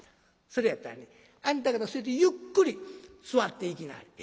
それやったらねあんた方はそれでゆっくり座っていきなはれ。